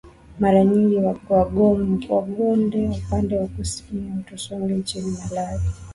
Mara nyingi Wagonde upande wa kusini ya mto Songwe nchini Malawi